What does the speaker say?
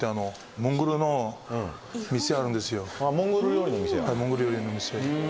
モンゴル料理の店。